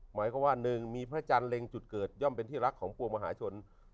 หมายความว่าหนึ่งมีพระจันทร์เล็งจุดเกิดย่อมเป็นที่รักของปวงมหาชน